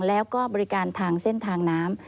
แล้วก็บริการทางเส้นทางน้ำ